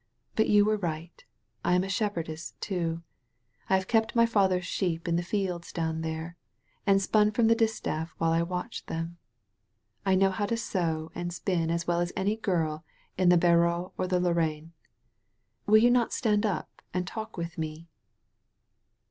But you were right, I am a shepherdess, too. I have kept my father's sheep in the fields down there, and spun from the distaff while I watched them. I know how to sew and spin as well as any girl in the Barrois or Lorraine. Will you not stand up and talk with me?"